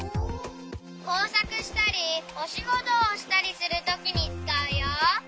こうさくしたりおしごとをしたりするときにつかうよ。